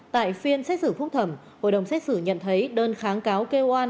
tại phiên xét xử phúc thẩm hội đồng xét xử nhận thấy đơn kháng cáo kêu an